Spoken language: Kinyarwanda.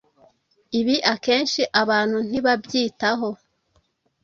Ibi akenshi abantu ntibabyitaho.